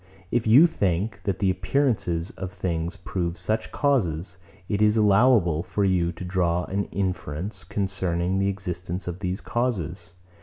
If you think, that the appearances of things prove such causes, it is allowable for you to draw an inference concerning the existence of these causes.